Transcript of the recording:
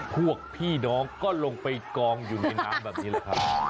พวกพี่น้องก็ลงไปกองอยู่ในน้ำแบบนี้เลยครับ